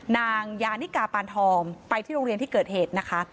นางยานิกาปานทองไปที่โรงเรียนที่เกิดเหตุนะคะ